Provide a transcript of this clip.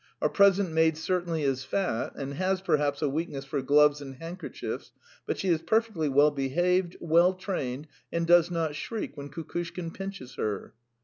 Our present maid certainly is fat, and has, perhaps, a weakness for gloves and handkerchiefs, but she is perfectly well behaved, well trained, and does not shriek when Kukushkin pinches her."